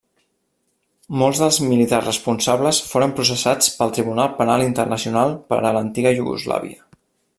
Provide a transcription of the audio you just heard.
Molts dels militars responsables foren processats pel Tribunal Penal Internacional per a l'antiga Iugoslàvia.